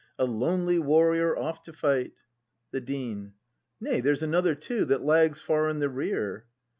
A lonely warrior off to fight! The Dean. Nay, there's another too — that lags Far in the rear!